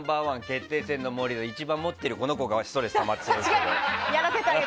Ｎｏ．１決定戦！の森を持っているこの子がストレスたまっていそう。